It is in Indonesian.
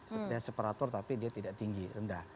seperti separator tapi dia tidak tinggi rendah